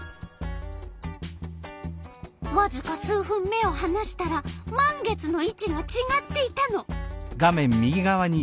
わずか数分目をはなしたら満月の位置がちがっていたの。